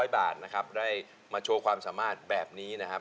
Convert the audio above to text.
๐บาทนะครับได้มาโชว์ความสามารถแบบนี้นะครับ